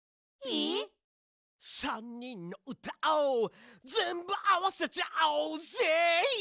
３にんのうたをぜんぶあわせちゃおうぜイエ！